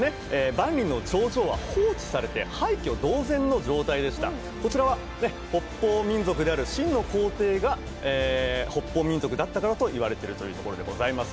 万里の長城は放置されて廃虚同然の状態でしたこちらは北方民族である清の皇帝が北方民族だったからといわれてるというところでございます